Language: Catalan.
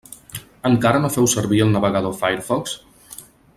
Encara no feu servir el navegador Firefox?